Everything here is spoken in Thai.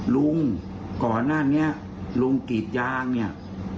ลุงก่อนหน้านี้ลุงกีดยางเนี่ย